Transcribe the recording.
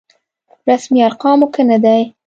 رسمي ارقامو کې نه دی.